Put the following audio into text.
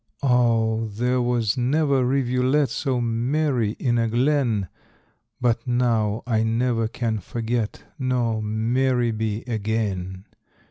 Oh, there was never rivulet So merry in a glen; But now I never can forget, Nor merry be again.